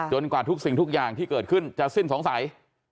กว่าทุกสิ่งทุกอย่างที่เกิดขึ้นจะสิ้นสงสัย